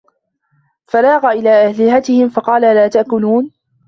فَراغَ إِلى آلِهَتِهِم فَقالَ أَلا تَأكُلونَ